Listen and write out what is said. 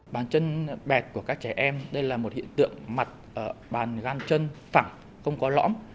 bàn chân bẹt của các trẻ em đây là một hiện tượng mặt bàn gan chân phẳng không có lõm